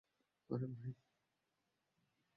আরে, ভাই!